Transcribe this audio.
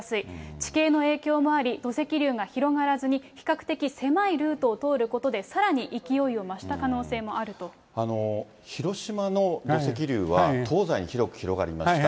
地形の影響もあり、土石流が広がらずに、比較的狭いルートを通ることで、さらに勢いを増した可能広島の土石流は、東西に広く広がりました。